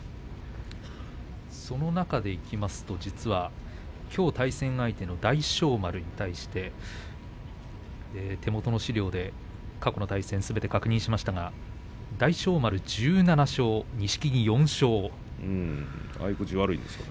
その中でいきますと実はきょう対戦相手の大翔丸に対して手元の資料で過去の対戦すべて確認しましたが合い口悪いですね。